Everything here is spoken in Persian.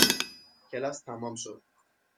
کلاس تمام شد.